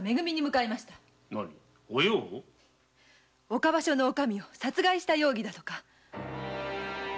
岡場所のオカミを殺害した容疑とか。